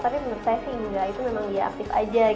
tapi menurut saya sih enggak itu memang dia aktif aja